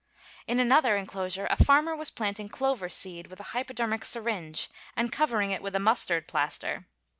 In another enclosure a farmer was planting clover seed with a hypodermic syringe, and covering it with a mustard plaster.